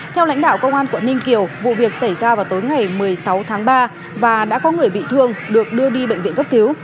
theo lãnh đạo công an quận ninh kiều vụ việc xảy ra vào tối ngày một mươi sáu tháng ba và đã có người bị thương được đưa đi bệnh viện cấp cứu